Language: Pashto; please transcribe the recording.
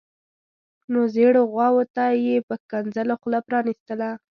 نو زیړو غواوو ته یې په ښکنځلو خوله پرانیستله.